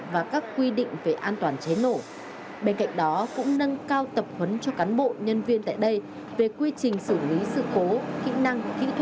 và các thiết bị bảo hộ phòng trái trị trái